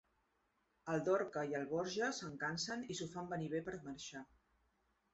El Dorca i el Borja se'n cansen i s'ho fan venir bé per marxar.